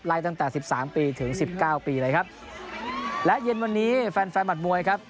ตั้งแต่สิบสามปีถึงสิบเก้าปีเลยครับและเย็นวันนี้แฟนแฟนหมัดมวยครับ